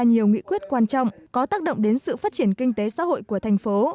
nhiều nghị quyết quan trọng có tác động đến sự phát triển kinh tế xã hội của thành phố